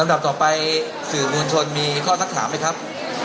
ดับต่อไปสื่อมวลชนมีข้อสักถามไหมครับ